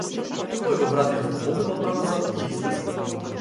Тој го врати автомобилот наназад и излезе.